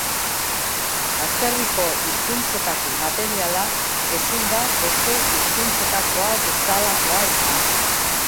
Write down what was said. Atzerriko hizkuntzetako materiala ezin da beste hizkuntzetakoa bezalakoa izan.